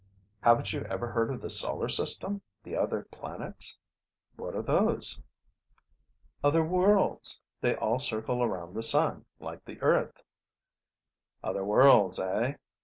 "Haven't you ever heard of the Solar System, the other planets?" "What are those?" "Other worlds. They all circle around the sun, like the Earth." "Other worlds, eh?